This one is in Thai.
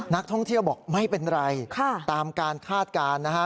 นักท่องเที่ยวบอกไม่เป็นไรตามการคาดการณ์นะฮะ